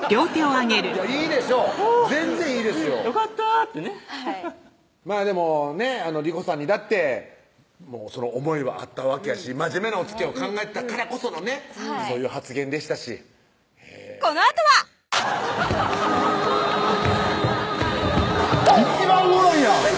いいでしょう全然いいですよ「よかった」ってねはいまぁでもね理子さんにだってその思いはあったわけやし真面目なおつきあいを考えてたからこそのねそういう発言でしたしこのあとは一番おもろいやん！